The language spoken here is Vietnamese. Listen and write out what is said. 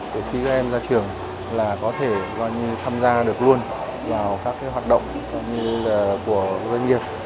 để khi các em ra trường là có thể gọi như tham gia được luôn vào các cái hoạt động như là của doanh nghiệp